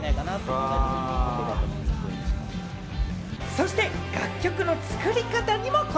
そして、楽曲の作り方にもこ